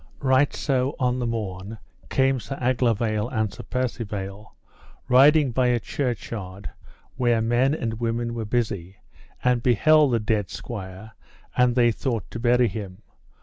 Right so on the morn came Sir Aglovale and Sir Percivale riding by a churchyard, where men and women were busy, and beheld the dead squire, and they thought to bury him.